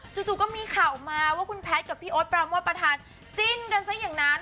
จู่ก็มีข่าวออกมาว่าคุณแพทย์กับพี่โอ๊ตปราโมทประธานจิ้นกันซะอย่างนั้น